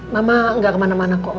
mama gak kemana mana kok